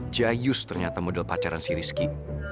jayus ternyata model pacaran si rizki